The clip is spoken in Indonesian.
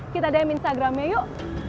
kita dm instagramnya yuk